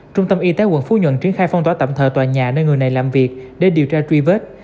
trung tâm y tế quận phú nhuận triển khai phong tỏa tạm thời tòa nhà nơi người này làm việc để điều tra truy vết